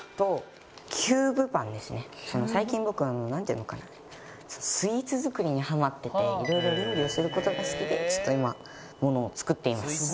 最近僕なんていうのかなスイーツ作りにハマってて色々料理をする事が好きでちょっと今ものを作っています。